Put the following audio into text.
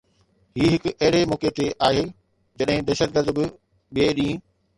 هي هڪ اهڙي موقعي تي آهي جڏهن دهشتگرد به ٻئي ڏينهن